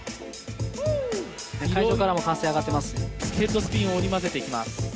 会場からも歓声上がっていますね。